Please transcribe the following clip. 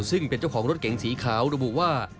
ซึ่งเป็นเจ้าของรถเก๋งสีขาวระบุว่า